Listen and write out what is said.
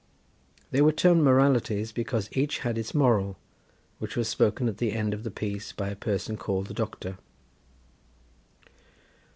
They were termed Moralities because each had its moral, which was spoken at the end of the piece by a person called the Doctor.